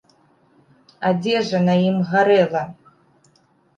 Адзежа на ім гарэла.